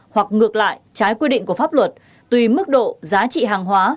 hoặc ngược lại trái quy định của pháp luật tùy mức độ giá trị hàng hóa